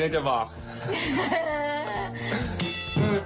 ไม่ต้องหลอกนะฟี